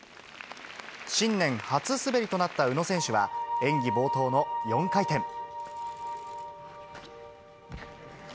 新年初滑りとなった宇野選手は演技冒頭の４回転。